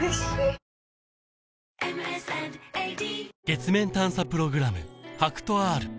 月面探査プログラム